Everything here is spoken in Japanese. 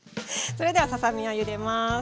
それではささ身をゆでます。